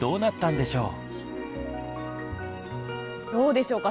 どうでしょうか？